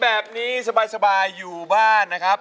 แบบนี้สบายอยู่บ้านนะครับ